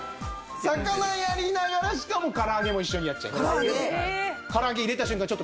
魚やりながらしかもから揚げも一緒にやっちゃいます。